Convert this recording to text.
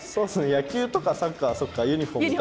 野球とかサッカーはそっかユニフォームか。